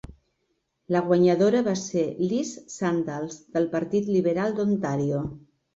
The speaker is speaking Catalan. La guanyadora va ser Liz Sandals, del Partit Liberal d'Ontario.